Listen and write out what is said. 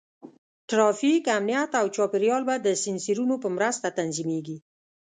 ټرافیک، امنیت، او چاپېریال به د سینسرونو په مرسته تنظیمېږي.